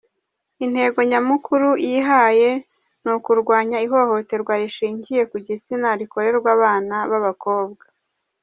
Intego nyamukuru yihaye ni ukurwanya ihohoterwa rishingiye ku gitsina rikorerwa abana b’abakobwa.